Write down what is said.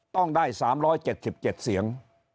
ต้องได้๓๗๗เสียง